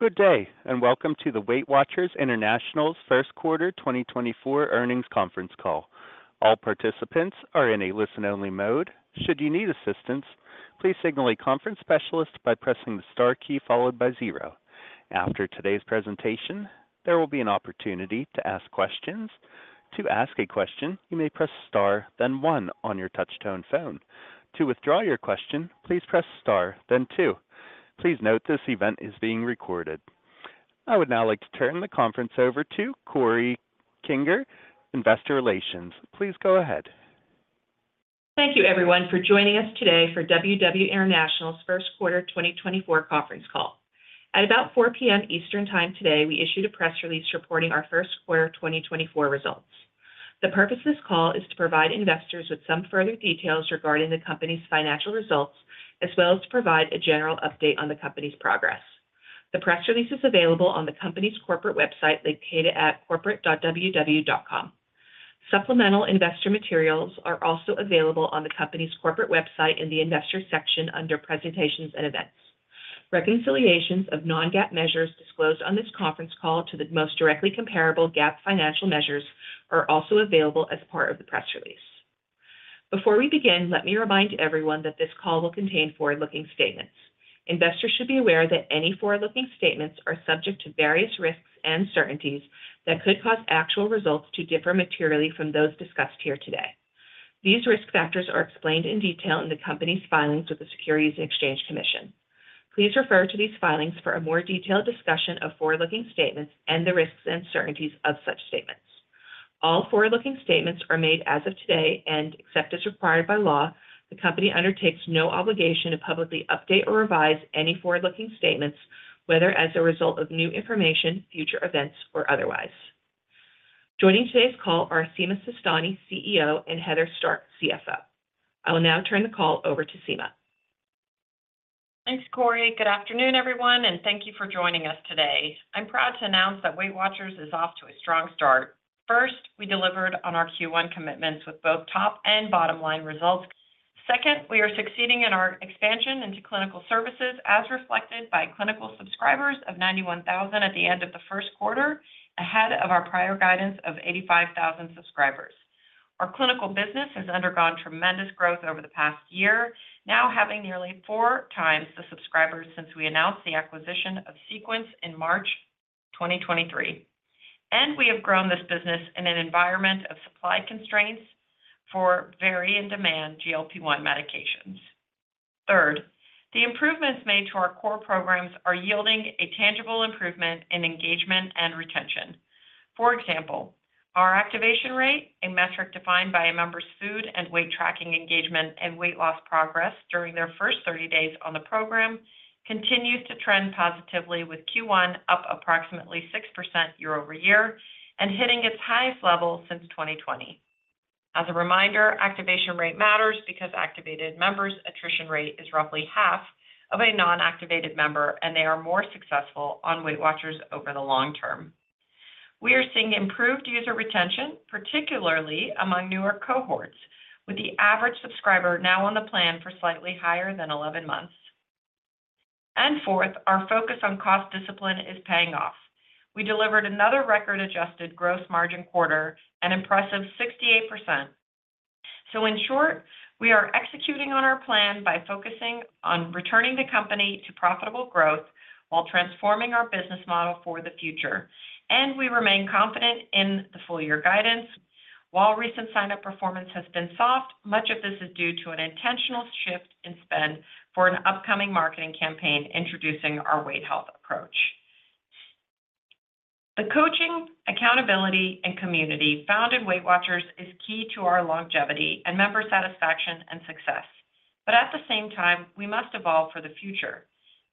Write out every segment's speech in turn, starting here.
Good day and welcome to the Weight Watchers International's first quarter 2024 earnings conference call. All participants are in a listen-only mode. Should you need assistance, please signal a conference specialist by pressing the star key followed by zero. After today's presentation, there will be an opportunity to ask questions. To ask a question, you may press star then one on your touch-tone phone. To withdraw your question, please press star then two. Please note this event is being recorded. I would now like to turn the conference over to Corey Kinger, Investor Relations. Please go ahead. Thank you, everyone, for joining us today for WW International's first quarter 2024 conference call. At about 4:00 P.M. Eastern Time today, we issued a press release reporting our first quarter 2024 results. The purpose of this call is to provide investors with some further details regarding the company's financial results, as well as to provide a general update on the company's progress. The press release is available on the company's corporate website located at corporate.ww.com. Supplemental investor materials are also available on the company's corporate website in the investor section under Presentations and Events. Reconciliations of non-GAAP measures disclosed on this conference call to the most directly comparable GAAP financial measures are also available as part of the press release. Before we begin, let me remind everyone that this call will contain forward-looking statements. Investors should be aware that any forward-looking statements are subject to various risks and certainties that could cause actual results to differ materially from those discussed here today. These risk factors are explained in detail in the company's filings with the Securities and Exchange Commission. Please refer to these filings for a more detailed discussion of forward-looking statements and the risks and certainties of such statements. All forward-looking statements are made as of today, and except as required by law, the company undertakes no obligation to publicly update or revise any forward-looking statements, whether as a result of new information, future events, or otherwise. Joining today's call are Sima Sistani, CEO, and Heather Stark, CFO. I will now turn the call over to Sima. Thanks, Corey. Good afternoon, everyone, and thank you for joining us today. I'm proud to announce that Weight Watchers is off to a strong start. First, we delivered on our Q1 commitments with both top and bottom-line results. Second, we are succeeding in our expansion into clinical services as reflected by clinical subscribers of 91,000 at the end of the first quarter, ahead of our prior guidance of 85,000 subscribers. Our clinical business has undergone tremendous growth over the past year, now having nearly four times the subscribers since we announced the acquisition of Sequence in March 2023. We have grown this business in an environment of supply constraints for very in-demand GLP-1 medications. Third, the improvements made to our core programs are yielding a tangible improvement in engagement and retention. For example, our activation rate, a metric defined by a member's food and weight tracking engagement and weight loss progress during their first 30 days on the program, continues to trend positively with Q1 up approximately 6% year-over-year and hitting its highest level since 2020. As a reminder, activation rate matters because activated members' attrition rate is roughly half of a non-activated member, and they are more successful on Weight Watchers over the long term. We are seeing improved user retention, particularly among newer cohorts, with the average subscriber now on the plan for slightly higher than 11 months. And fourth, our focus on cost discipline is paying off. We delivered another record-adjusted gross margin quarter, an impressive 68%. So in short, we are executing on our plan by focusing on returning the company to profitable growth while transforming our business model for the future. We remain confident in the full-year guidance. While recent sign-up performance has been soft, much of this is due to an intentional shift in spend for an upcoming marketing campaign introducing our weight health approach. The coaching, accountability, and community found in Weight Watchers is key to our longevity and member satisfaction and success. But at the same time, we must evolve for the future,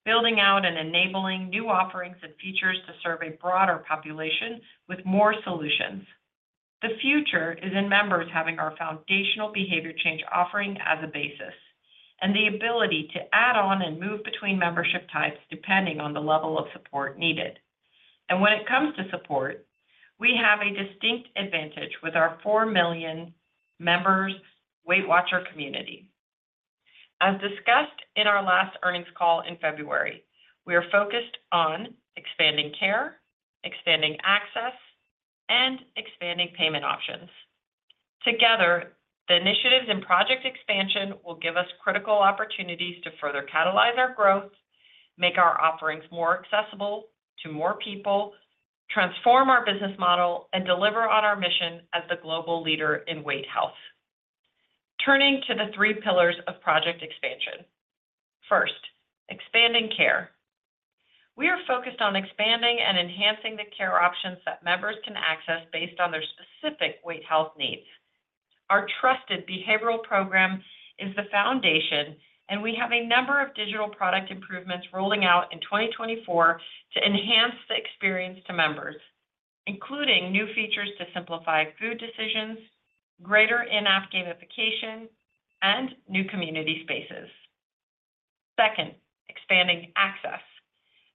building out and enabling new offerings and features to serve a broader population with more solutions. The future is in members having our foundational behavior change offering as a basis and the ability to add on and move between membership types depending on the level of support needed. When it comes to support, we have a distinct advantage with our 4 million members' Weight Watchers community. As discussed in our last earnings call in February, we are focused on expanding care, expanding access, and expanding payment options. Together, the initiatives and project expansion will give us critical opportunities to further catalyze our growth, make our offerings more accessible to more people, transform our business model, and deliver on our mission as the global leader in weight health. Turning to the three pillars of project expansion. First, expanding care. We are focused on expanding and enhancing the care options that members can access based on their specific weight health needs. Our trusted behavioral program is the foundation, and we have a number of digital product improvements rolling out in 2024 to enhance the experience to members, including new features to simplify food decisions, greater in-app gamification, and new community spaces. Second, expanding access.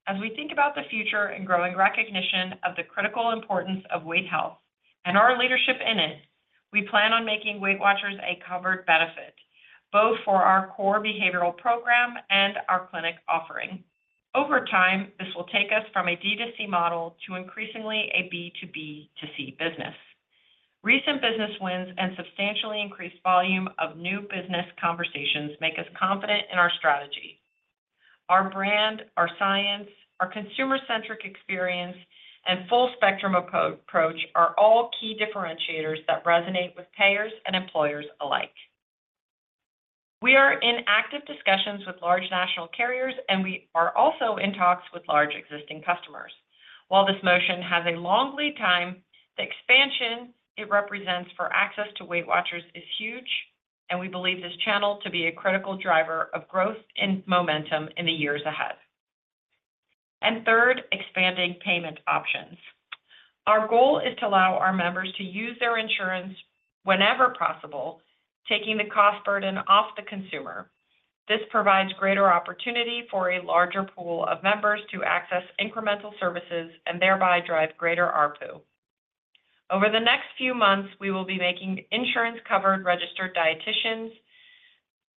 As we think about the future and growing recognition of the critical importance of weight health and our leadership in it, we plan on making WeightWatchers a covered benefit, both for our core behavioral program and our clinic offering. Over time, this will take us from a D2C model to increasingly a B2B2C business. Recent business wins and substantially increased volume of new business conversations make us confident in our strategy. Our brand, our science, our consumer-centric experience, and full-spectrum approach are all key differentiators that resonate with payers and employers alike. We are in active discussions with large national carriers, and we are also in talks with large existing customers. While this motion has a long lead time, the expansion it represents for access to WeightWatchers is huge, and we believe this channel to be a critical driver of growth and momentum in the years ahead. Third, expanding payment options. Our goal is to allow our members to use their insurance whenever possible, taking the cost burden off the consumer. This provides greater opportunity for a larger pool of members to access incremental services and thereby drive greater RPU. Over the next few months, we will be making insurance-covered registered dietitians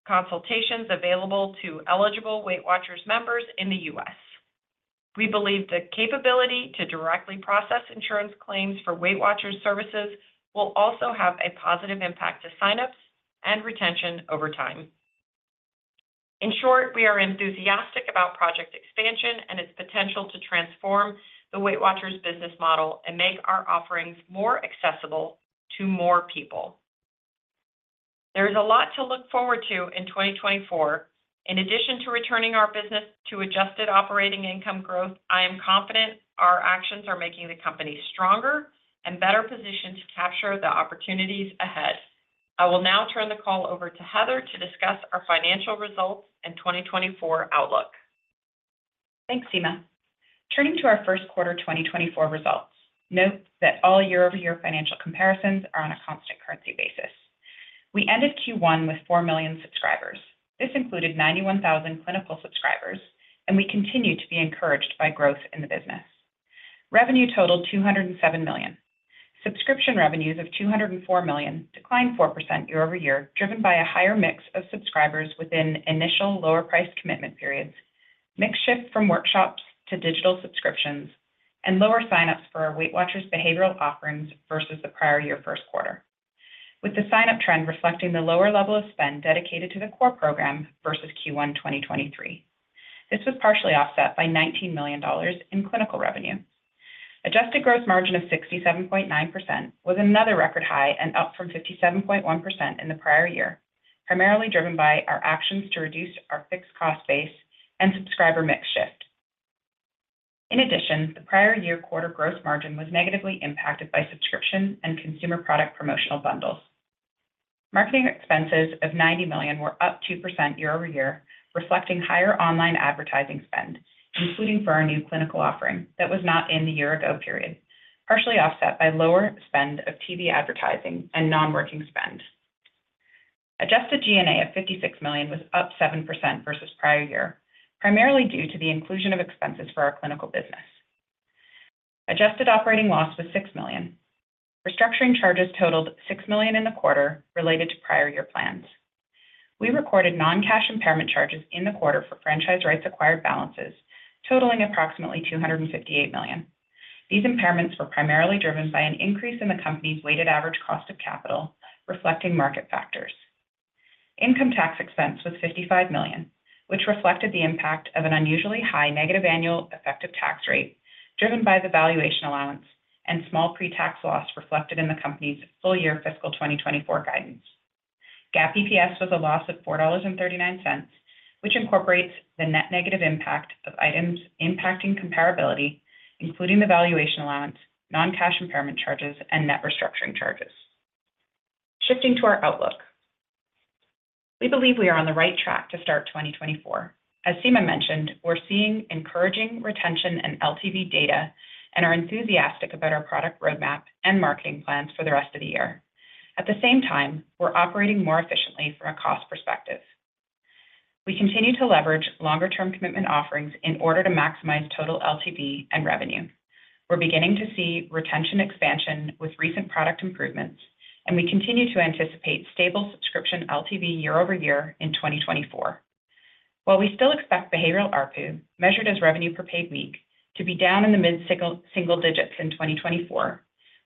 consultations available to eligible Weight Watchers members in the U.S. We believe the capability to directly process insurance claims for Weight Watchers services will also have a positive impact to sign-ups and retention over time. In short, we are enthusiastic about product expansion and its potential to transform the Weight Watchers business model and make our offerings more accessible to more people. There is a lot to look forward to in 2024. In addition to returning our business to adjusted operating income growth, I am confident our actions are making the company stronger and better positioned to capture the opportunities ahead. I will now turn the call over to Heather to discuss our financial results and 2024 outlook. Thanks, Sima. Turning to our first quarter 2024 results. Note that all year-over-year financial comparisons are on a constant currency basis. We ended Q1 with 4 million subscribers. This included 91,000 clinical subscribers, and we continue to be encouraged by growth in the business. Revenue totaled $207 million. Subscription revenues of $204 million declined 4% year over year, driven by a higher mix of subscribers within initial lower-priced commitment periods, mixed shift from workshops to digital subscriptions, and lower sign-ups for our Weight Watchers behavioral offerings versus the prior year first quarter, with the sign-up trend reflecting the lower level of spend dedicated to the core program versus Q1 2023. This was partially offset by $19 million in clinical revenue. Adjusted gross margin of 67.9% was another record high and up from 57.1% in the prior year, primarily driven by our actions to reduce our fixed cost base and subscriber mix shift. In addition, the prior year quarter gross margin was negatively impacted by subscription and consumer product promotional bundles. Marketing expenses of $90 million were up 2% year over year, reflecting higher online advertising spend, including for our new clinical offering that was not in the year-ago period, partially offset by lower spend of TV advertising and non-working spend. Adjusted G&A of $56 million was up 7% versus prior year, primarily due to the inclusion of expenses for our clinical business. Adjusted operating loss was $6 million. Restructuring charges totaled $6 million in the quarter related to prior year plans. We recorded non-cash impairment charges in the quarter for franchise rights acquired balances, totaling approximately $258 million. These impairments were primarily driven by an increase in the company's weighted average cost of capital, reflecting market factors. Income tax expense was $55 million, which reflected the impact of an unusually high negative annual effective tax rate driven by the valuation allowance and small pre-tax loss reflected in the company's full-year fiscal 2024 guidance. GAAP EPS was a loss of $4.39, which incorporates the net negative impact of items impacting comparability, including the valuation allowance, non-cash impairment charges, and net restructuring charges. Shifting to our outlook. We believe we are on the right track to start 2024. As Sima mentioned, we're seeing encouraging retention and LTV data and are enthusiastic about our product roadmap and marketing plans for the rest of the year. At the same time, we're operating more efficiently from a cost perspective. We continue to leverage longer-term commitment offerings in order to maximize total LTV and revenue. We're beginning to see retention expansion with recent product improvements, and we continue to anticipate stable subscription LTV year-over-year in 2024. While we still expect behavioral RPU, measured as revenue per paid week, to be down in the mid-single digits in 2024,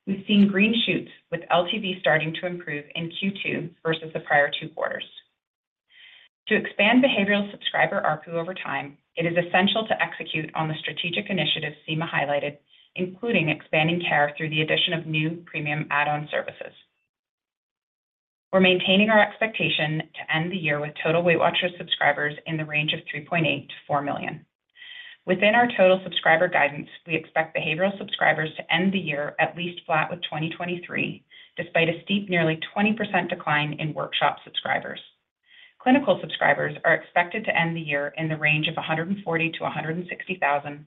we've seen green shoots with LTV starting to improve in Q2 versus the prior two quarters. To expand behavioral subscriber RPU over time, it is essential to execute on the strategic initiatives Sima highlighted, including expanding care through the addition of new premium add-on services. We're maintaining our expectation to end the year with total Weight Watchers subscribers in the range of 3.8 million-4 million. Within our total subscriber guidance, we expect behavioral subscribers to end the year at least flat with 2023, despite a steep nearly 20% decline in workshop subscribers. Clinical subscribers are expected to end the year in the range of 140,000-160,000,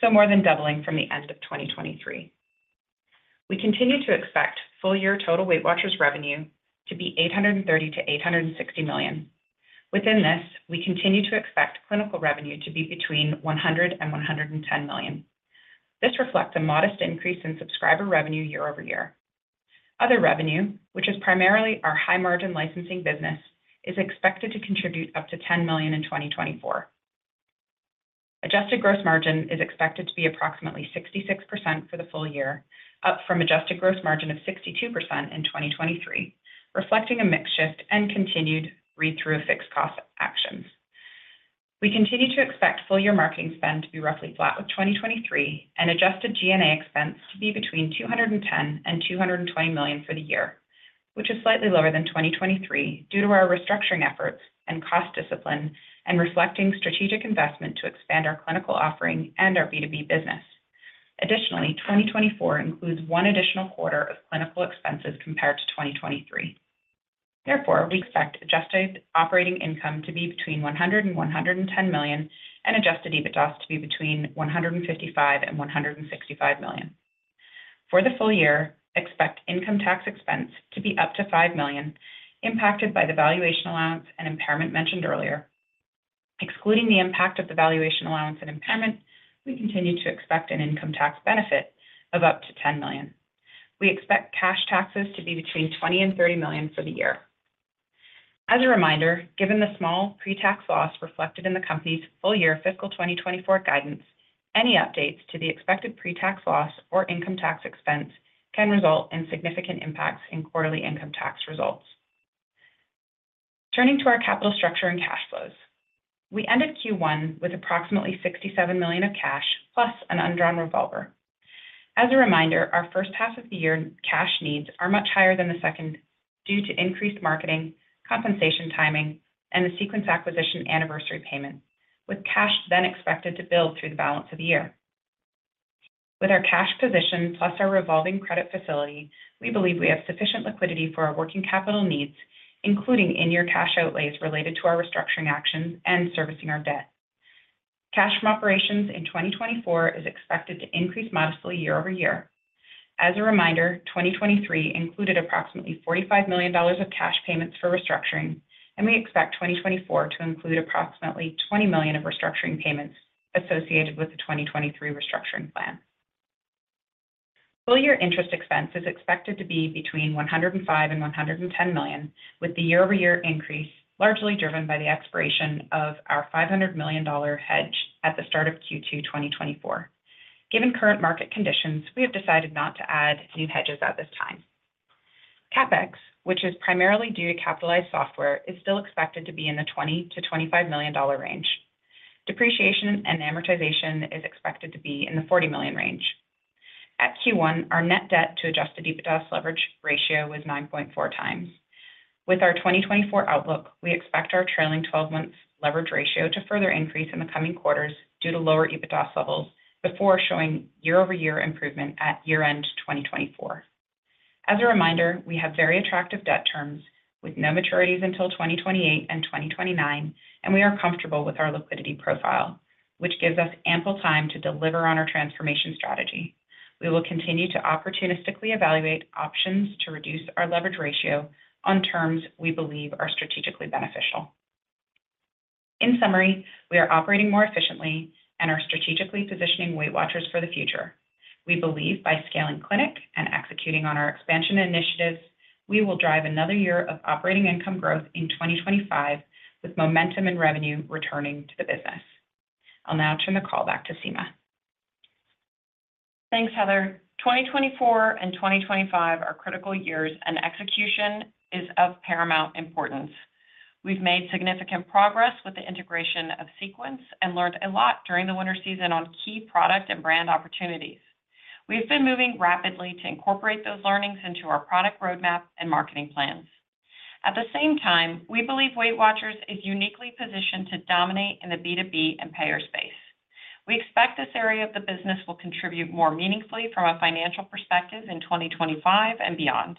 so more than doubling from the end of 2023. We continue to expect full-year total Weight Watchers revenue to be $830 million-$860 million. Within this, we continue to expect clinical revenue to be between $100 million and $110 million. This reflects a modest increase in subscriber revenue year over year. Other revenue, which is primarily our high-margin licensing business, is expected to contribute up to $10 million in 2024. Adjusted gross margin is expected to be approximately 66% for the full year, up from adjusted gross margin of 62% in 2023, reflecting a mix shift and continued read-through of fixed cost actions. We continue to expect full-year marketing spend to be roughly flat with 2023 and adjusted G&A expense to be between $210 million-$220 million for the year, which is slightly lower than 2023 due to our restructuring efforts and cost discipline and reflecting strategic investment to expand our clinical offering and our B2B business. Additionally, 2024 includes one additional quarter of clinical expenses compared to 2023. Therefore, we expect adjusted operating income to be between $100 million-$110 million and adjusted EBITDA to be between $155 million-$165 million. For the full year, expect income tax expense to be up to $5 million, impacted by the valuation allowance and impairment mentioned earlier. Excluding the impact of the valuation allowance and impairment, we continue to expect an income tax benefit of up to $10 million. We expect cash taxes to be between $20 million-$30 million for the year. As a reminder, given the small pre-tax loss reflected in the company's full-year fiscal 2024 guidance, any updates to the expected pre-tax loss or income tax expense can result in significant impacts in quarterly income tax results. Turning to our capital structure and cash flows. We ended Q1 with approximately $67 million of cash plus an undrawn revolver. As a reminder, our first half of the year cash needs are much higher than the second due to increased marketing, compensation timing, and the Sequence acquisition anniversary payment, with cash then expected to build through the balance of the year. With our cash position plus our revolving credit facility, we believe we have sufficient liquidity for our working capital needs, including in-year cash outlays related to our restructuring actions and servicing our debt. Cash from operations in 2024 is expected to increase modestly year-over-year. As a reminder, 2023 included approximately $45 million of cash payments for restructuring, and we expect 2024 to include approximately $20 million of restructuring payments associated with the 2023 restructuring plan. Full-year interest expense is expected to be between $105 million-$110 million, with the year-over-year increase largely driven by the expiration of our $500 million hedge at the start of Q2 2024. Given current market conditions, we have decided not to add new hedges at this time. CapEx, which is primarily due to capitalized software, is still expected to be in the $20 million-$25 million range. Depreciation and amortization is expected to be in the $40 million range. At Q1, our net debt to adjusted EBITDA leverage ratio was 9.4x. With our 2024 outlook, we expect our trailing 12-month leverage ratio to further increase in the coming quarters due to lower EBITDA levels before showing year-over-year improvement at year-end 2024. As a reminder, we have very attractive debt terms with no maturities until 2028 and 2029, and we are comfortable with our liquidity profile, which gives us ample time to deliver on our transformation strategy. We will continue to opportunistically evaluate options to reduce our leverage ratio on terms we believe are strategically beneficial. In summary, we are operating more efficiently and are strategically positioning WeightWatchers for the future. We believe by scaling clinic and executing on our expansion initiatives, we will drive another year of operating income growth in 2025 with momentum and revenue returning to the business. I'll now turn the call back to Sima. Thanks, Heather. 2024 and 2025 are critical years, and execution is of paramount importance. We've made significant progress with the integration of Sequence and learned a lot during the winter season on key product and brand opportunities. We've been moving rapidly to incorporate those learnings into our product roadmap and marketing plans. At the same time, we believe Weight Watchers is uniquely positioned to dominate in the B2B and payer space. We expect this area of the business will contribute more meaningfully from a financial perspective in 2025 and beyond.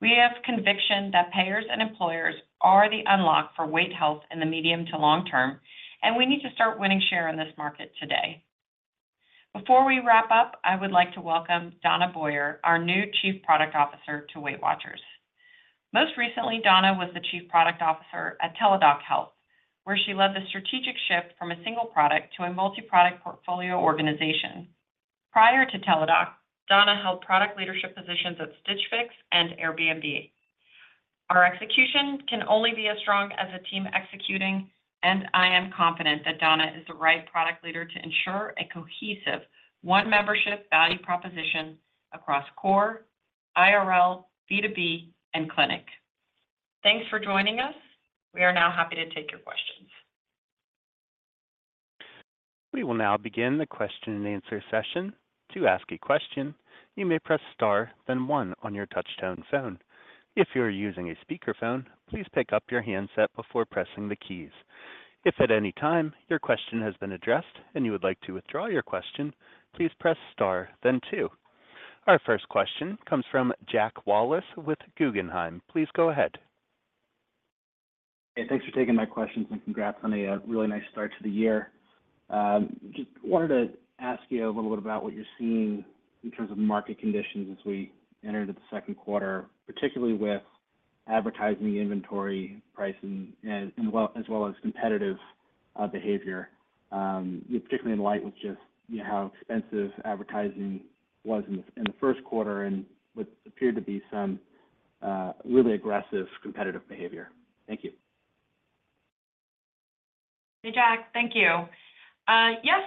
We have conviction that payers and employers are the unlock for weight health in the medium to long term, and we need to start winning share in this market today. Before we wrap up, I would like to welcome Donna Boyer, our new Chief Product Officer to Weight Watchers. Most recently, Donna was the Chief Product Officer at Teladoc Health, where she led the strategic shift from a single product to a multi-product portfolio organization. Prior to Teladoc, Donna held product leadership positions at Stitch Fix and Airbnb. Our execution can only be as strong as a team executing, and I am confident that Donna is the right product leader to ensure a cohesive, one-membership value proposition across core, IRL, B2B, and clinic. Thanks for joining us. We are now happy to take your questions. We will now begin the question-and-answer session. To ask a question, you may press star, then one on your touch-tone phone. If you are using a speakerphone, please pick up your handset before pressing the keys. If at any time your question has been addressed and you would like to withdraw your question, please press star, then two. Our first question comes from Jack Wallace with Guggenheim. Please go ahead. Hey, thanks for taking my questions and congrats on a really nice start to the year. Just wanted to ask you a little bit about what you're seeing in terms of market conditions as we entered into the second quarter, particularly with advertising inventory pricing as well as competitive behavior, particularly in light with just how expensive advertising was in the first quarter and what appeared to be some really aggressive competitive behavior. Thank you. Hey, Jack. Thank you. Yes,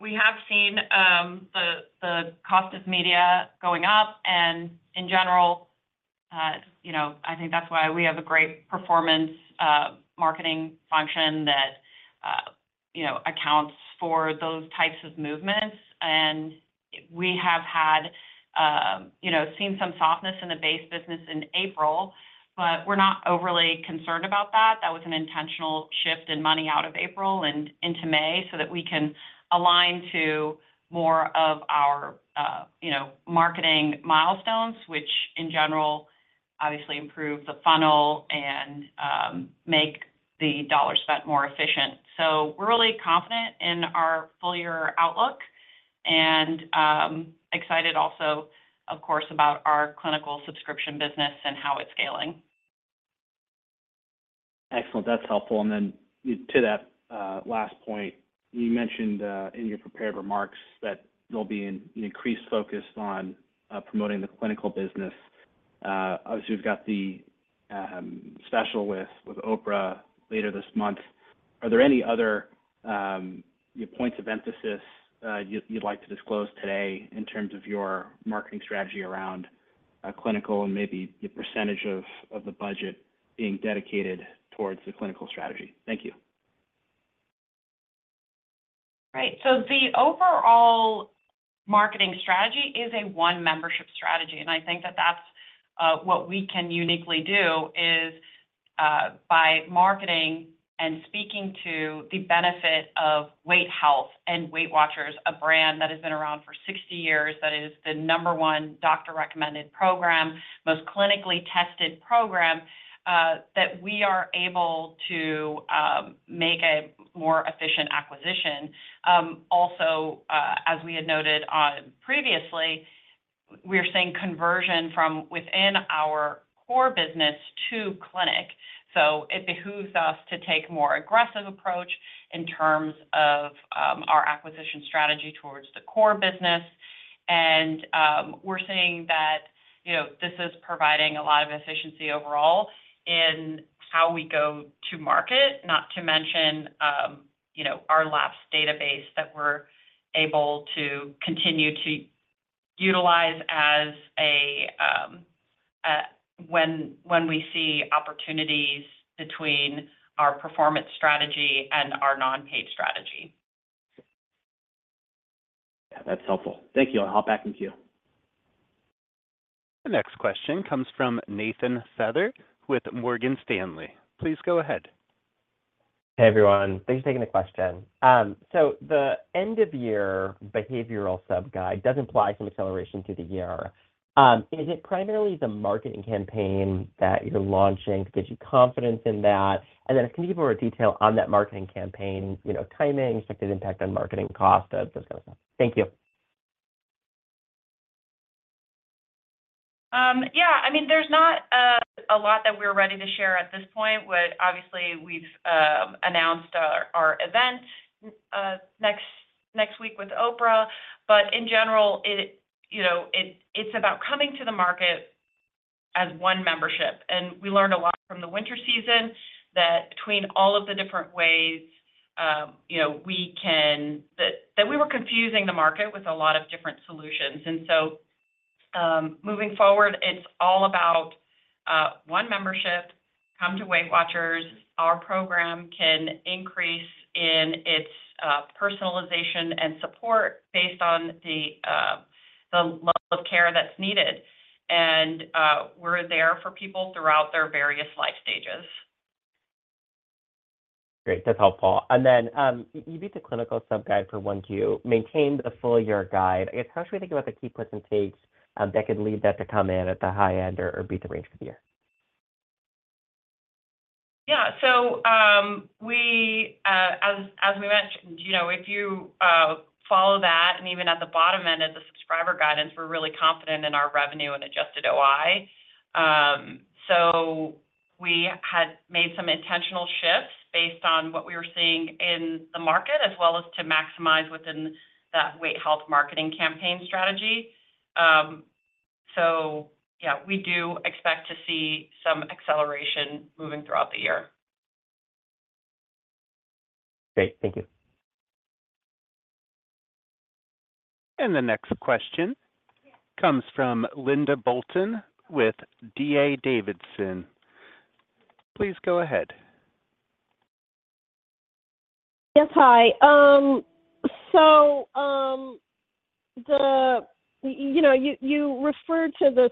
we have seen the cost of media going up, and in general, I think that's why we have a great performance marketing function that accounts for those types of movements. We have seen some softness in the base business in April, but we're not overly concerned about that. That was an intentional shift in money out of April and into May so that we can align to more of our marketing milestones, which in general obviously improve the funnel and make the dollar spent more efficient. We're really confident in our full-year outlook and excited also, of course, about our clinical subscription business and how it's scaling. Excellent. That's helpful. Then to that last point, you mentioned in your prepared remarks that there'll be an increased focus on promoting the clinical business. Obviously, we've got the special with Oprah later this month. Are there any other points of emphasis you'd like to disclose today in terms of your marketing strategy around clinical and maybe the percentage of the budget being dedicated towards the clinical strategy? Thank you. Right. So the overall marketing strategy is a one-membership strategy. And I think that that's what we can uniquely do is by marketing and speaking to the benefit of weight health and Weight Watchers, a brand that has been around for 60 years, that is the number one doctor-recommended program, most clinically tested program, that we are able to make a more efficient acquisition. Also, as we had noted previously, we are seeing conversion from within our core business to clinic. So it behooves us to take a more aggressive approach in terms of our acquisition strategy towards the core business. And we're seeing that this is providing a lot of efficiency overall in how we go to market, not to mention our lapse database that we're able to continue to utilize when we see opportunities between our performance strategy and our non-paid strategy. Yeah, that's helpful. Thank you. I'll hop back in queue. The next question comes from Nathan Feather with Morgan Stanley. Please go ahead. Hey, everyone. Thanks for taking the question. So the end-of-year behavioral sub-guide does imply some acceleration through the year. Is it primarily the marketing campaign that you're launching to get you confidence in that? And then can you give more detail on that marketing campaign, timing, expected impact on marketing cost, those kind of stuff? Thank you. Yeah. I mean, there's not a lot that we're ready to share at this point. Obviously, we've announced our event next week with Oprah. But in general, it's about coming to the market as one membership. And we learned a lot from the winter season that between all of the different ways we can that we were confusing the market with a lot of different solutions. And so moving forward, it's all about one membership, come to Weight Watchers. Our program can increase in its personalization and support based on the level of care that's needed. And we're there for people throughout their various life stages. Great. That's helpful. And then you beat the clinical sub-guide for Q1. Maintain the full-year guide. I guess, how should we think about the key puts and takes that could lead that to come in at the high end or beat the range for the year? Yeah. As we mentioned, if you follow that, and even at the bottom end of the subscriber guidance, we're really confident in our revenue and adjusted OI. We had made some intentional shifts based on what we were seeing in the market as well as to maximize within that weight health marketing campaign strategy. Yeah, we do expect to see some acceleration moving throughout the year. Great. Thank you. The next question comes from Linda Bolton with D.A. Davidson. Please go ahead. Yes. Hi. So you referred to this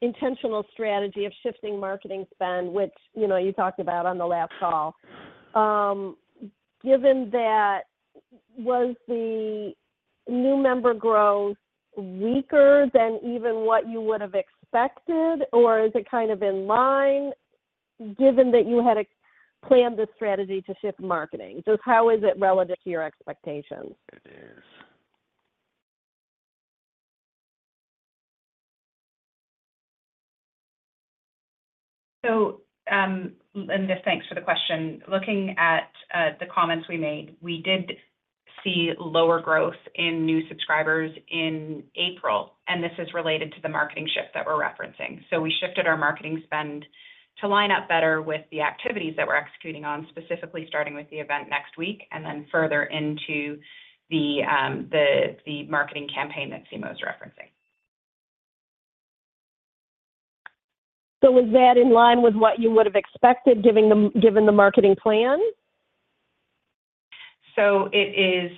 intentional strategy of shifting marketing spend, which you talked about on the last call. Was the new member growth weaker than even what you would have expected, or is it kind of in line given that you had planned the strategy to shift marketing? How is it relative to your expectations? So Linda, thanks for the question. Looking at the comments we made, we did see lower growth in new subscribers in April, and this is related to the marketing shift that we're referencing. So we shifted our marketing spend to line up better with the activities that we're executing on, specifically starting with the event next week and then further into the marketing campaign that Sima was referencing. So was that in line with what you would have expected given the marketing plan? So, it is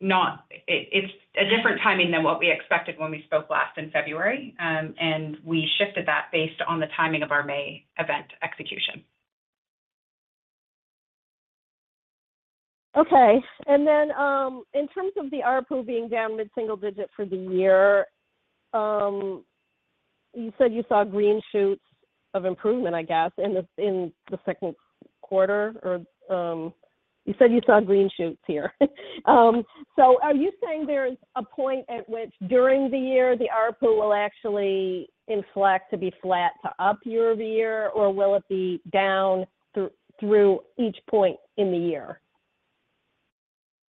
not. It's a different timing than what we expected when we spoke last in February, and we shifted that based on the timing of our May event execution. Okay. And then in terms of the RPU being down mid-single digit for the year, you said you saw green shoots of improvement, I guess, in the second quarter. Or you said you saw green shoots here. So are you saying there is a point at which during the year, the RPU will actually inflect to be flat to up year-over-year, or will it be down through each point in the year?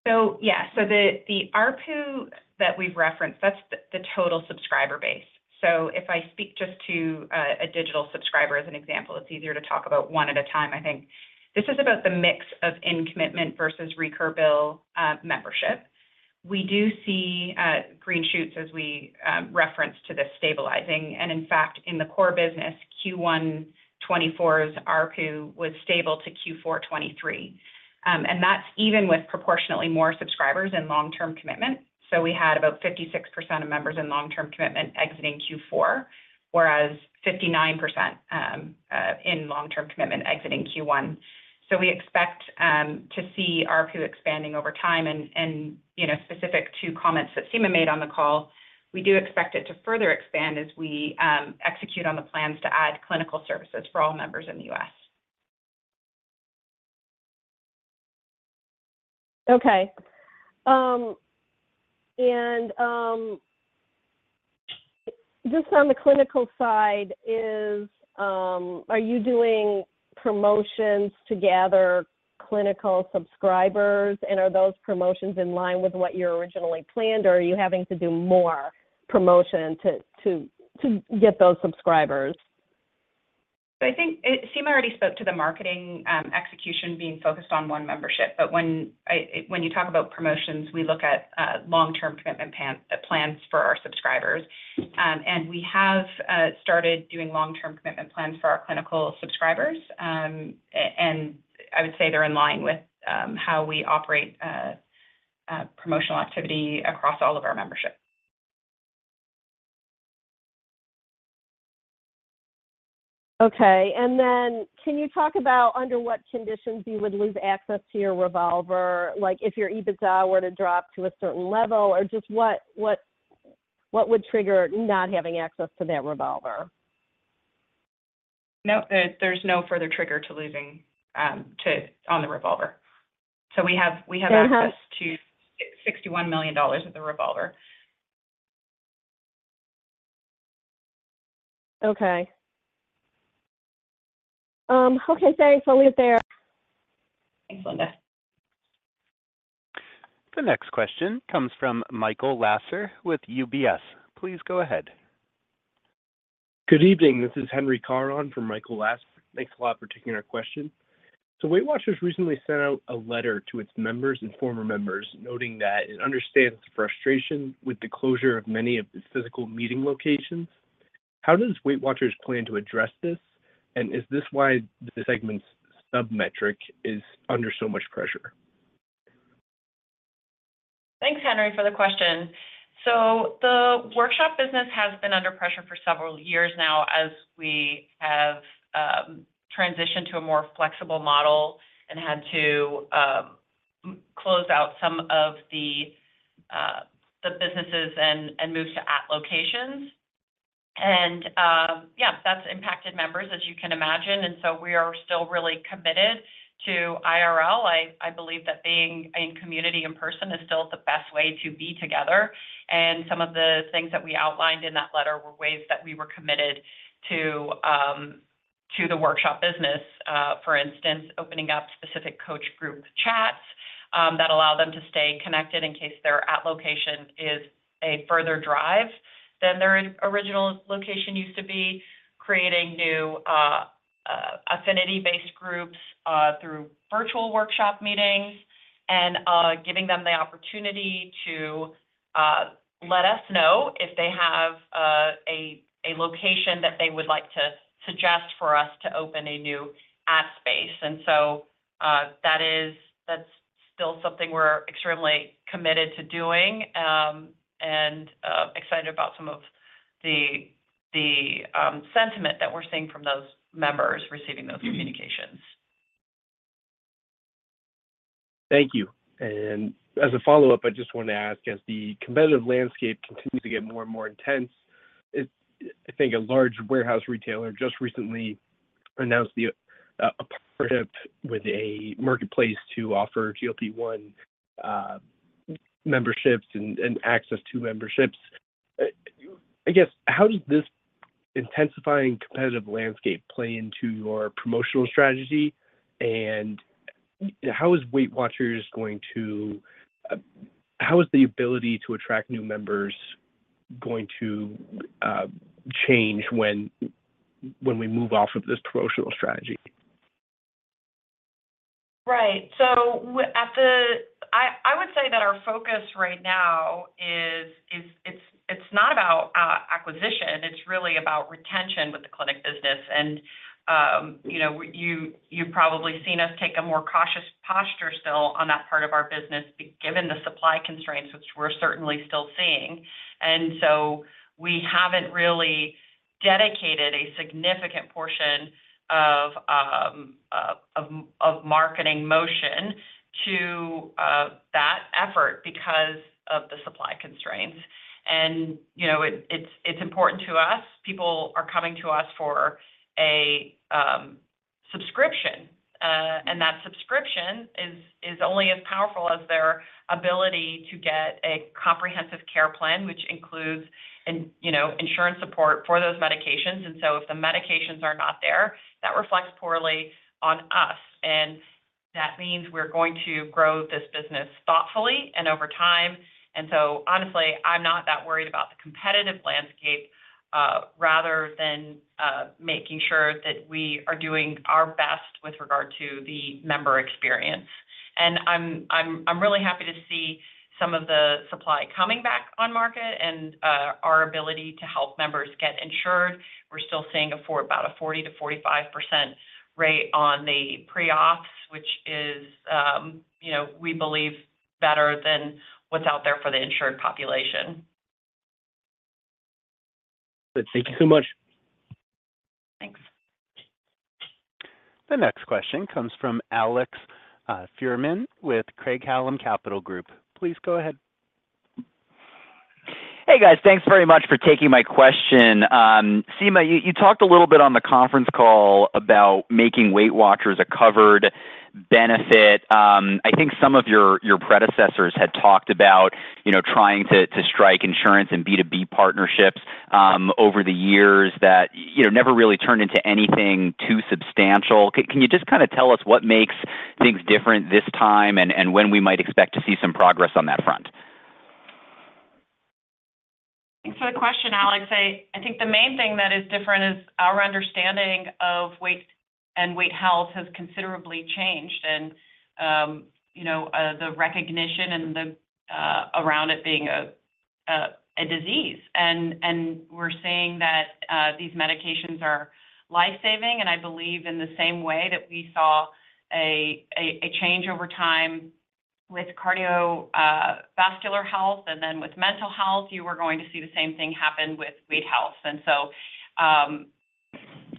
So yeah. So the RPU that we've referenced, that's the total subscriber base. So if I speak just to a digital subscriber as an example, it's easier to talk about one at a time. I think this is about the mix of in-commitment versus recur bill membership. We do see green shoots as we reference to this stabilizing. And in fact, in the core business, Q1 2024's RPU was stable to Q4 2023. And that's even with proportionately more subscribers and long-term commitment. So we had about 56% of members in long-term commitment exiting Q4, whereas 59% in long-term commitment exiting Q1. So we expect to see RPU expanding over time. And specific to comments that Sima made on the call, we do expect it to further expand as we execute on the plans to add clinical services for all members in the U.S. Okay. Just on the clinical side, are you doing promotions to gather clinical subscribers, and are those promotions in line with what you originally planned, or are you having to do more promotion to get those subscribers? I think Sima already spoke to the marketing execution being focused on one membership. But when you talk about promotions, we look at long-term commitment plans for our subscribers. We have started doing long-term commitment plans for our clinical subscribers. I would say they're in line with how we operate promotional activity across all of our membership. Okay. And then can you talk about under what conditions you would lose access to your revolver, like if your EBITDA were to drop to a certain level, or just what would trigger not having access to that revolver? Nope. There's no further trigger on the revolver. So we have access to $61 million of the revolver. Okay. Okay. Thanks. I'll leave it there. Thanks, Linda. The next question comes from Michael Lasser with UBS. Please go ahead. Good evening. This is Henry Carron from Michael Lasser. Thanks a lot for taking our question. Weight Watchers recently sent out a letter to its members and former members noting that it understands the frustration with the closure of many of its physical meeting locations. How does Weight Watchers plan to address this, and is this why the segment's sub-metric is under so much pressure? Thanks, Henry, for the question. So the workshop business has been under pressure for several years now as we have transitioned to a more flexible model and had to close out some of the businesses and move to at locations. And yeah, that's impacted members, as you can imagine. And so we are still really committed to IRL. I believe that being in community in person is still the best way to be together. And some of the things that we outlined in that letter were ways that we were committed to the workshop business. For instance, opening up specific coach group chats that allow them to stay connected in case their at-location is a further drive than their original location used to be, creating new affinity-based groups through virtual workshop meetings, and giving them the opportunity to let us know if they have a location that they would like to suggest for us to open a new at-space. And so that's still something we're extremely committed to doing and excited about some of the sentiment that we're seeing from those members receiving those communications. Thank you. And as a follow-up, I just wanted to ask, as the competitive landscape continues to get more and more intense, I think a large warehouse retailer just recently announced a partnership with a marketplace to offer GLP-1 memberships and access to memberships. I guess, how does this intensifying competitive landscape play into your promotional strategy, and how is the ability to attract new members going to change when we move off of this promotional strategy? Right. I would say that our focus right now is it's not about acquisition. It's really about retention with the clinic business. You've probably seen us take a more cautious posture still on that part of our business given the supply constraints, which we're certainly still seeing. We haven't really dedicated a significant portion of marketing motion to that effort because of the supply constraints. It's important to us. People are coming to us for a subscription, and that subscription is only as powerful as their ability to get a comprehensive care plan, which includes insurance support for those medications. If the medications are not there, that reflects poorly on us. That means we're going to grow this business thoughtfully and over time. Honestly, I'm not that worried about the competitive landscape rather than making sure that we are doing our best with regard to the member experience. I'm really happy to see some of the supply coming back on market and our ability to help members get insured. We're still seeing about a 40%-45% rate on the pre-auths, which is, we believe, better than what's out there for the insured population. Good. Thank you so much. Thanks. The next question comes from Alex Fuhrman with Craig-Hallum Capital Group. Please go ahead. Hey, guys. Thanks very much for taking my question. Sima, you talked a little bit on the conference call about making Weight Watchers a covered benefit. I think some of your predecessors had talked about trying to strike insurance and B2B partnerships over the years that never really turned into anything too substantial. Can you just kind of tell us what makes things different this time and when we might expect to see some progress on that front? Thanks for the question, Alex. I think the main thing that is different is our understanding of weight and weight health has considerably changed and the recognition around it being a disease. We're seeing that these medications are lifesaving. I believe in the same way that we saw a change over time with cardiovascular health and then with mental health, you were going to see the same thing happen with weight health.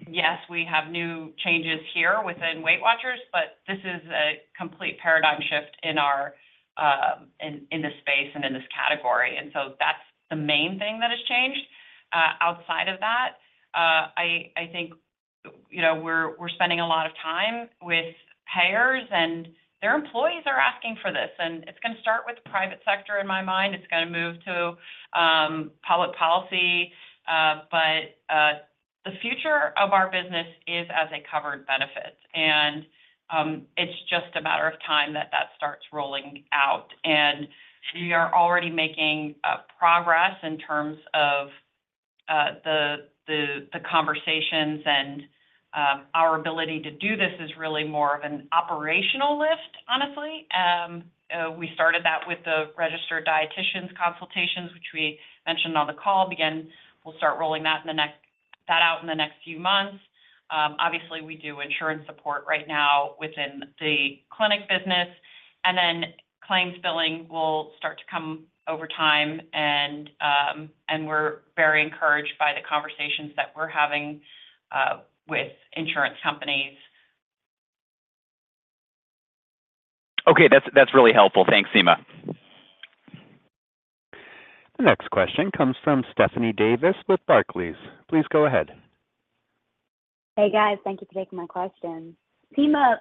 Yes, we have new changes here within Weight Watchers, but this is a complete paradigm shift in this space and in this category. That's the main thing that has changed. Outside of that, I think we're spending a lot of time with payers, and their employees are asking for this. It's going to start with the private sector in my mind. It's going to move to public policy. But the future of our business is as a covered benefit. It's just a matter of time that that starts rolling out. We are already making progress in terms of the conversations, and our ability to do this is really more of an operational lift, honestly. We started that with the registered dietitians consultations, which we mentioned on the call. We'll start rolling that out in the next few months. Obviously, we do insurance support right now within the clinic business. Then claims billing will start to come over time, and we're very encouraged by the conversations that we're having with insurance companies. Okay. That's really helpful. Thanks, Sima. The next question comes from Stephanie Davis with Barclays. Please go ahead. Hey, guys. Thank you for taking my question. Sima,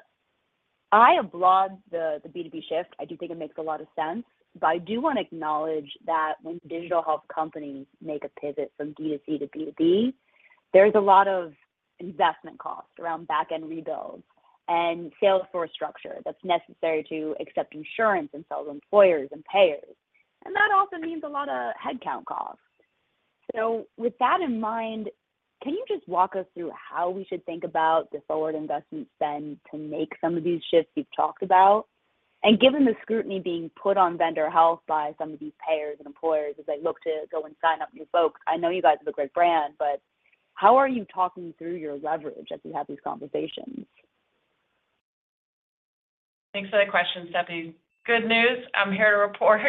I applaud the B2B shift. I do think it makes a lot of sense. But I do want to acknowledge that when digital health companies make a pivot from D2C to B2B, there's a lot of investment cost around backend rebuilds and Salesforce structure that's necessary to accept insurance and sell to employers and payers. And that also means a lot of headcount costs. So with that in mind, can you just walk us through how we should think about the forward investment spend to make some of these shifts you've talked about? And given the scrutiny being put on vendor health by some of these payers and employers as they look to go and sign up new folks, I know you guys have a great brand, but how are you talking through your leverage as you have these conversations? Thanks for the question, Stephanie. Good news. I'm here to report.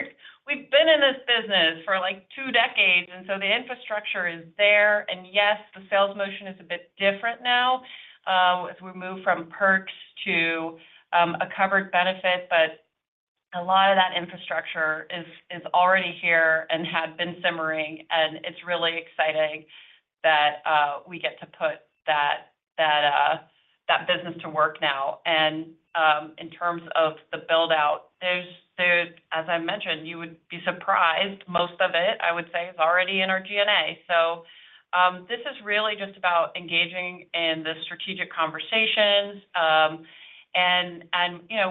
We've been in this business for like two decades, and so the infrastructure is there. Yes, the sales motion is a bit different now as we move from perks to a covered benefit. But a lot of that infrastructure is already here and had been simmering. It's really exciting that we get to put that business to work now. In terms of the buildout, as I mentioned, you would be surprised. Most of it, I would say, is already in our G&A. So this is really just about engaging in the strategic conversations.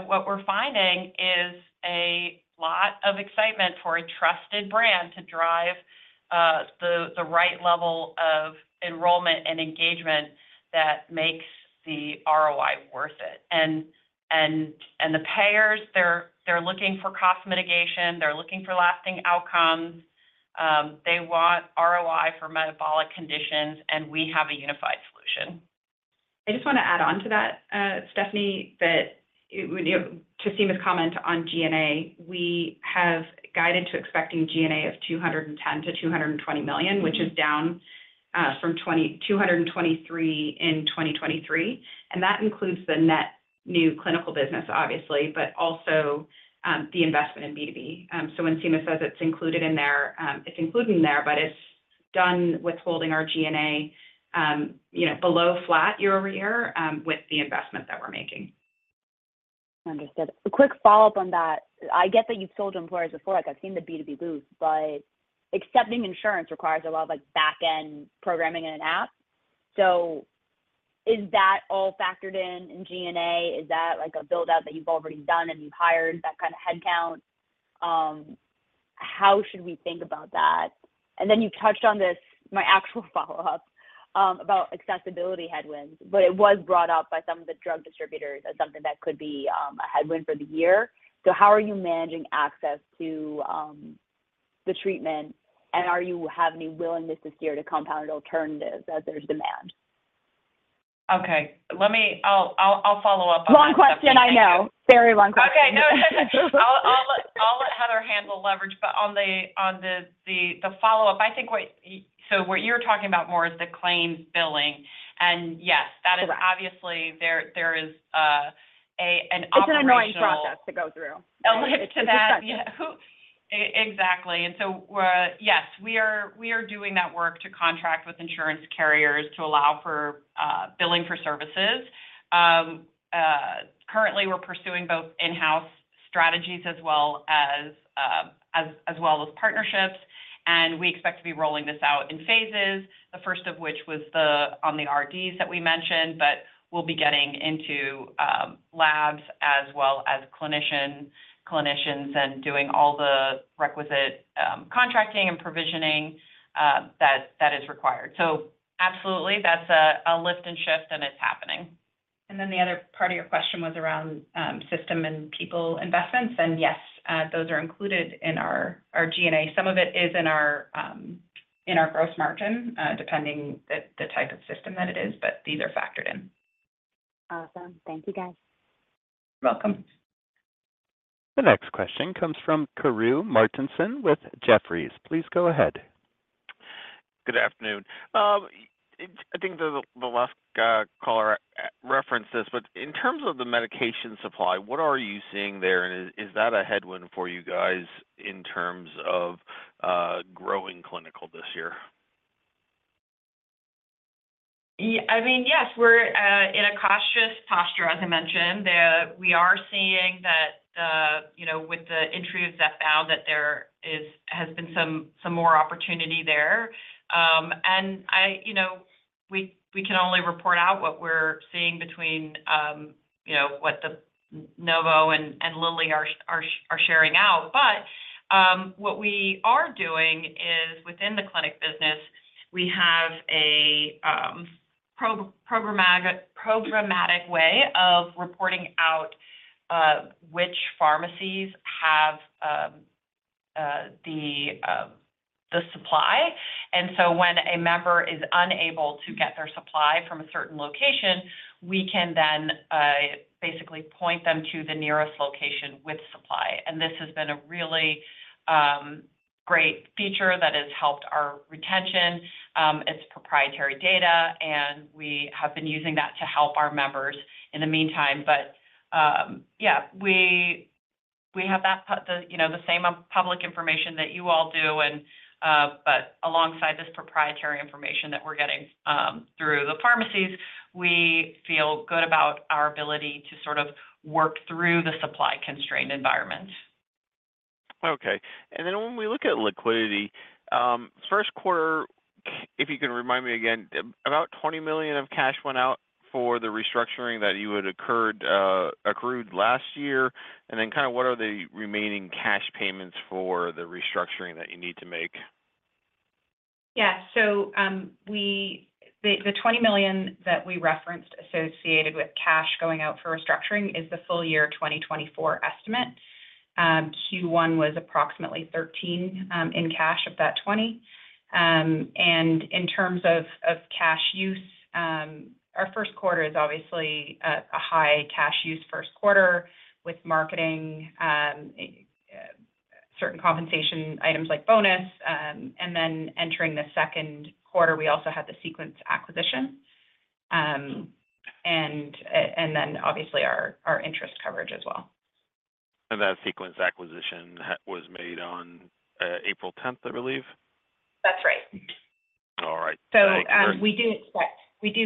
What we're finding is a lot of excitement for a trusted brand to drive the right level of enrollment and engagement that makes the ROI worth it. The payers, they're looking for cost mitigation. They're looking for lasting outcomes. They want ROI for metabolic conditions, and we have a unified solution. I just want to add on to that, Stephanie, that to Sima's comment on G&A, we have guided to expecting G&A of 210 million-220 million, which is down from 223 in 2023. That includes the net new clinical business, obviously, but also the investment in B2B. So when Sima says it's included in there, it's included in there, but it's done with holding our G&A below flat year-over-year with the investment that we're making. Understood. A quick follow-up on that. I get that you've sold to employers before. I've seen the B2B boost, but accepting insurance requires a lot of backend programming and an app. So is that all factored in G&A? Is that a buildout that you've already done and you've hired that kind of headcount? How should we think about that? And then you touched on this, my actual follow-up, about accessibility headwinds. But it was brought up by some of the drug distributors as something that could be a headwind for the year. So how are you managing access to the treatment, and are you have any willingness this year to compound alternatives as there's demand? Okay. I'll follow up on that question. Long question. I know. Very long question. Okay. No, it's okay. I'll let Heather handle leverage. But on the follow-up, I think so what you're talking about more is the claims billing. And yes, obviously, there is an operational. It's an annoying process to go through. add to that. Yeah. Exactly. And so yes, we are doing that work to contract with insurance carriers to allow for billing for services. Currently, we're pursuing both in-house strategies as well as partnerships. And we expect to be rolling this out in phases, the first of which was on the RDs that we mentioned, but we'll be getting into labs as well as clinicians and doing all the requisite contracting and provisioning that is required. So absolutely, that's a lift and shift, and it's happening. And then the other part of your question was around system and people investments. And yes, those are included in our G&A. Some of it is in our gross margin, depending on the type of system that it is, but these are factored in. Awesome. Thank you, guys. You're welcome. The next question comes from Karru Martinson with Jefferies. Please go ahead. Good afternoon. I think the last caller referenced this, but in terms of the medication supply, what are you seeing there, and is that a headwind for you guys in terms of growing clinical this year? I mean, yes. We're in a cautious posture, as I mentioned. We are seeing that with the entry of Zepbound, that there has been some more opportunity there. And we can only report out what we're seeing between what the Novo and Lilly are sharing out. But what we are doing is within the clinic business, we have a programmatic way of reporting out which pharmacies have the supply. And so when a member is unable to get their supply from a certain location, we can then basically point them to the nearest location with supply. And this has been a really great feature that has helped our retention. It's proprietary data, and we have been using that to help our members in the meantime. But yeah, we have the same public information that you all do. But alongside this proprietary information that we're getting through the pharmacies, we feel good about our ability to sort of work through the supply-constrained environment. Okay. And then when we look at liquidity, first quarter, if you can remind me again, about $20 million of cash went out for the restructuring that occurred last year. And then kind of what are the remaining cash payments for the restructuring that you need to make? Yeah. So the $20 million that we referenced associated with cash going out for restructuring is the full year 2024 estimate. Q1 was approximately $13 million in cash of that $20 million. And in terms of cash use, our first quarter is obviously a high cash use first quarter with marketing, certain compensation items like bonus. And then entering the second quarter, we also had the Sequence acquisition and then, obviously, our interest coverage as well. That Sequence acquisition was made on April 10th, I believe? That's right. All right. Thank you. We do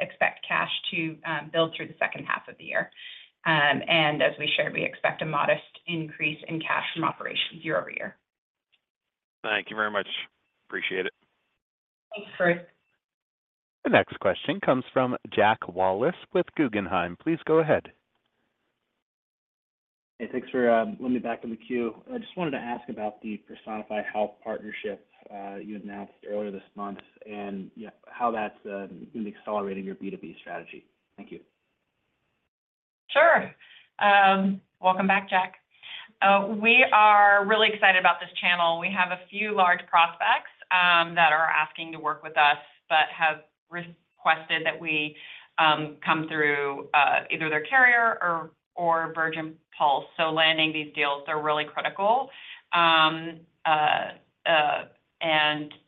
expect cash to build through the second half of the year. As we shared, we expect a modest increase in cash from operations year-over-year. Thank you very much. Appreciate it. Thanks, Karru. The next question comes from Jack Wallace with Guggenheim. Please go ahead. Hey, thanks for letting me back in the queue. I just wanted to ask about the Personify Health partnership you announced earlier this month and how that's going to be accelerating your B2B strategy? Thank you. Sure. Welcome back, Jack. We are really excited about this channel. We have a few large prospects that are asking to work with us but have requested that we come through either their carrier or Virgin Pulse. So landing these deals, they're really critical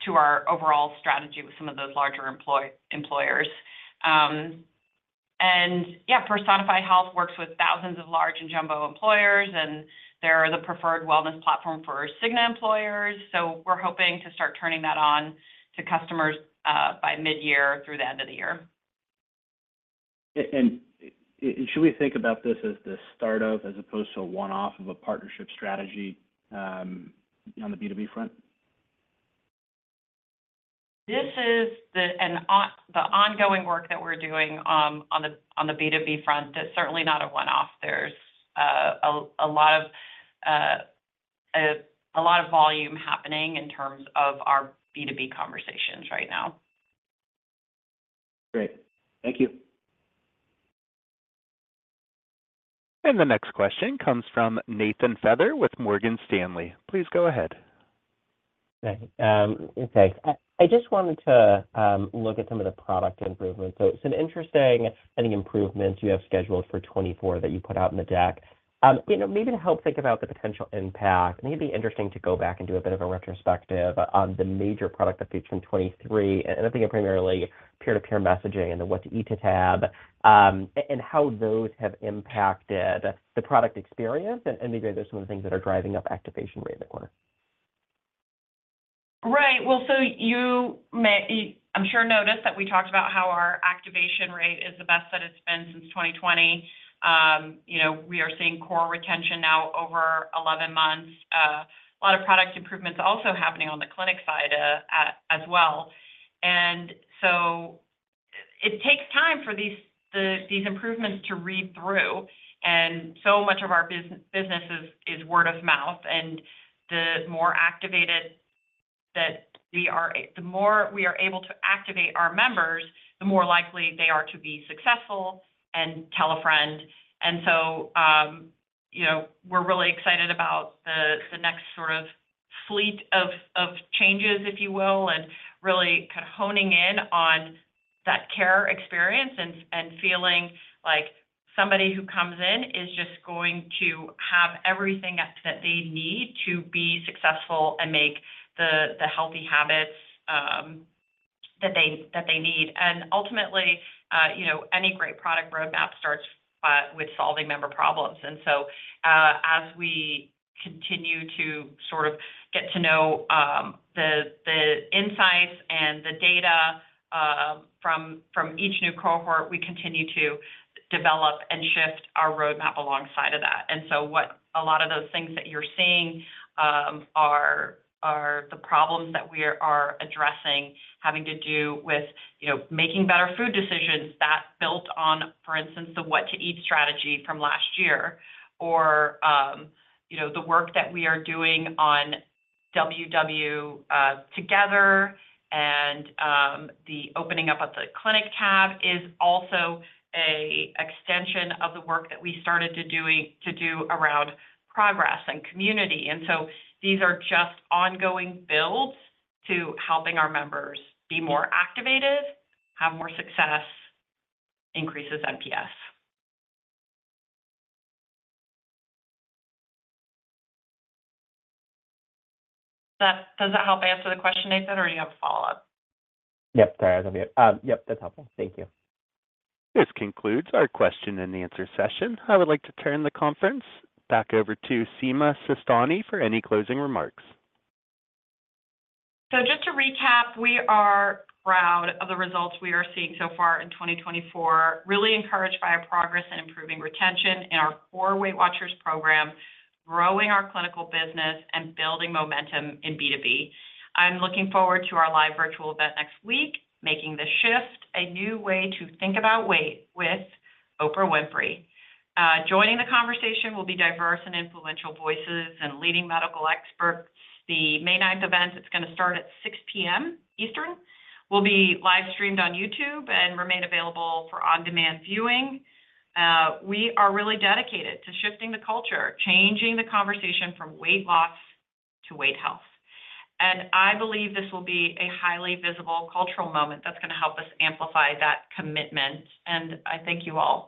to our overall strategy with some of those larger employers. And yeah, Personify Health works with thousands of large and jumbo employers, and they're the preferred wellness platform for Cigna employers. So we're hoping to start turning that on to customers by mid-year through the end of the year. Should we think about this as the startup as opposed to a one-off of a partnership strategy on the B2B front? This is the ongoing work that we're doing on the B2B front. It's certainly not a one-off. There's a lot of volume happening in terms of our B2B conversations right now. Great. Thank you. And the next question comes from Nathan Feather with Morgan Stanley. Please go ahead. Okay. I just wanted to look at some of the product improvements. So it's an interesting, I think, improvement you have scheduled for 2024 that you put out in the deck. Maybe to help think about the potential impact, I think it'd be interesting to go back and do a bit of a retrospective on the major product features from 2023, and I think primarily peer-to-peer messaging and the What to Eat tab and how those have impacted the product experience. And maybe those are some of the things that are driving up activation rate in the quarter. Right. Well, so you may, I'm sure, notice that we talked about how our activation rate is the best that it's been since 2020. We are seeing core retention now over 11 months. A lot of product improvements also happening on the clinic side as well. And so it takes time for these improvements to read through. And so much of our business is word of mouth. And the more activated that we are the more we are able to activate our members, the more likely they are to be successful and tell a friend. And so we're really excited about the next sort of fleet of changes, if you will, and really kind of honing in on that care experience and feeling like somebody who comes in is just going to have everything that they need to be successful and make the healthy habits that they need. Ultimately, any great product roadmap starts with solving member problems. So as we continue to sort of get to know the insights and the data from each new cohort, we continue to develop and shift our roadmap alongside of that. So a lot of those things that you're seeing are the problems that we are addressing, having to do with making better food decisions that built on, for instance, the what-to-eat strategy from last year or the work that we are doing on WW Together and the opening up of the clinic tab is also an extension of the work that we started to do around progress and community. So these are just ongoing builds to helping our members be more activated, have more success, increase our NPS. Does that help answer the question, Nathan, or do you have a follow-up? Yep. Sorry. I was on mute. Yep. That's helpful. Thank you. This concludes our question and answer session. I would like to turn the conference back over to Sima Sistani for any closing remarks. So just to recap, we are proud of the results we are seeing so far in 2024, really encouraged by our progress in improving retention in our core Weight Watchers program, growing our clinical business, and building momentum in B2B. I'm looking forward to our live virtual event next week, Making the Shift, a new way to think about weight with Oprah Winfrey. Joining the conversation will be diverse and influential voices and leading medical experts. The May 9th event, it's going to start at 6:00 P.M. Eastern, will be live-streamed on YouTube and remain available for on-demand viewing. We are really dedicated to shifting the culture, changing the conversation from weight loss to weight health. And I believe this will be a highly visible cultural moment that's going to help us amplify that commitment. And I thank you all.